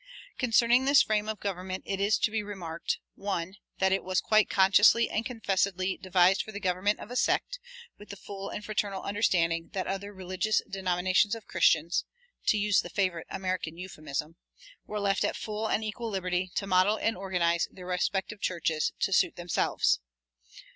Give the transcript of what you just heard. Concerning this frame of government it is to be remarked: 1. That it was quite consciously and confessedly devised for the government of a sect, with the full and fraternal understanding that other "religious denominations of Christians" (to use the favorite American euphemism) "were left at full and equal liberty to model and organize their respective churches" to suit themselves.